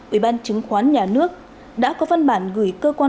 ủy ban chứng khoán nhà nước đã có văn bản gửi cơ quan